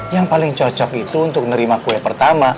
yang paling cocok itu untuk nerima kue pertama